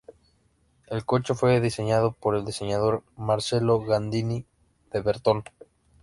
El coche fue diseñado por el diseñador Marcello Gandini de Bertone.